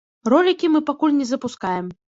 Ролікі мы пакуль не запускаем.